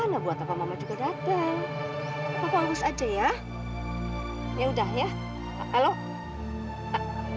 kamu temanin saya di sini sebentar